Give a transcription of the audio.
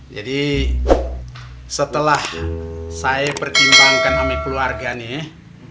jadi setelah saya pertimbangkan sama keluarga nih